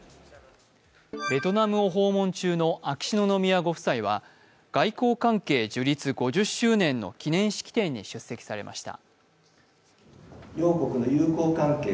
ベトナムを訪問中の秋篠宮ご夫妻は外交関係樹立５０周年の記念式典に出席されました。